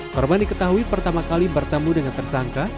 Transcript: korban diketahui pertama kali bertemu dengan tersangka